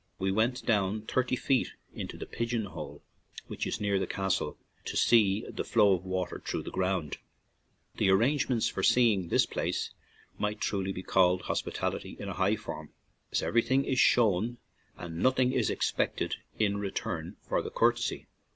We went down thirty feet into the "pigeon hole," which is near the castle, to see the flow of water through the ground. The ar rangements for seeing this place might truly be called hospitality in a high form, as everything is shown and nothing ex pected in return for the courtesy.